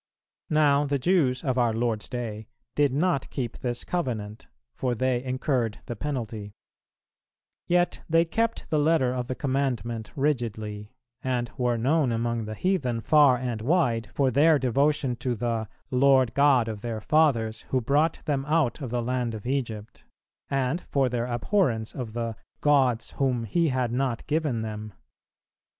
Now the Jews of our Lord's day did not keep this covenant, for they incurred the penalty; yet they kept the letter of the Commandment rigidly, and were known among the heathen far and wide for their devotion to the "Lord God of their fathers who brought them out of the land of Egypt," and for their abhorrence of the "gods whom He had not given them."